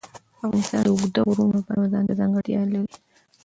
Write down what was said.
افغانستان د اوږده غرونه د پلوه ځانته ځانګړتیا لري.